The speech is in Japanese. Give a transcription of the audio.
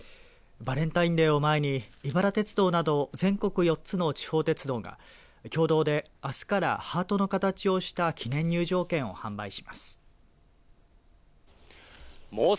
バレンタインデーを前に井原鉄道など全国４つの地方鉄道が共同であすからハートの形をした記念入場券を販売します。